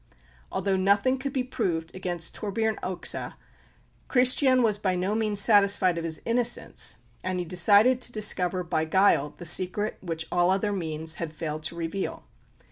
Although nothing could be proved against Torbern Oxe, Christian was by no means satisfied of his innocence, and he decided to discover by guile the secret which all other means had failed to reveal.